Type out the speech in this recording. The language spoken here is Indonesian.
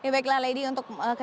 baiklah lady untuk kecelakaan